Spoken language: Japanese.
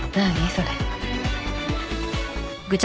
それ。